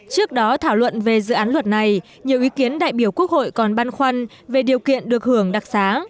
trước đó thảo luận về dự án luật này nhiều ý kiến đại biểu quốc hội còn băn khoăn về điều kiện được hưởng đặc xá